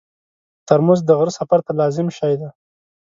ترموز د غره سفر ته لازم شی دی.